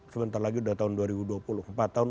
sebentar lagi udah tahun dua ribu dua puluh empat tahun